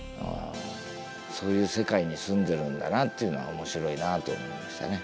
そういう世界に住んでるんだなっていうのは面白いなと思いましたね。